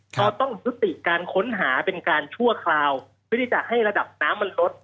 เพื่อต้องสมทีดับงานค้นหาเป็นการทั่วคราวเพื่อที่จะให้ระดับน้ำน้ำลด